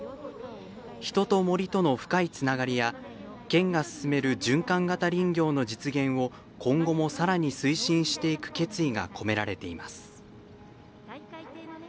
人と森との深いつながりや県が進める循環型林業の実現を今後も、さらに推進していく決意が込められています。